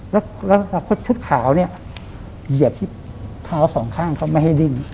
แล้วชุดขาวเนี่ยเหยียบที่เท้าสองข้างเขาไม่ให้ดิ้น